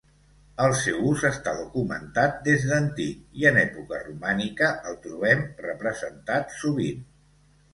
El seu ús està documentat des d'antic i en època romànica el trobem representat sovint.